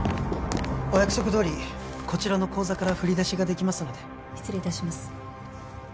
お約束どおりこちらの口座から振り出しができますので失礼いたします